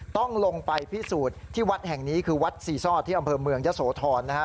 ต้องลงไปพิสูจน์ที่วัดแห่งนี้คือวัดสี่ซ่อที่อำเภอเมืองยะโสธรนะฮะ